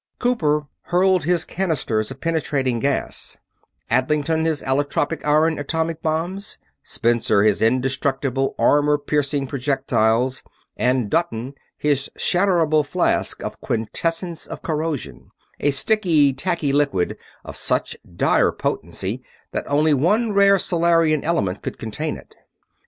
Cooper hurled his canisters of penetrating gas, Adlington his allotropic iron atomic bombs, Spencer his indestructible armor piercing projectiles, and Dutton his shatterable flasks of the quintessence of corrosion a sticky, tacky liquid of such dire potency that only one rare Solarian element could contain it.